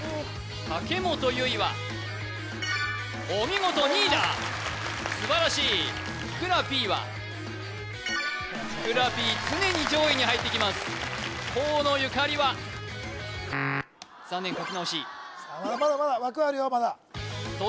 武元唯衣はお見事２位だ素晴らしいふくらＰはふくらＰ常に上位に入ってきます河野ゆかりは残念書き直しまだまだ枠あるよ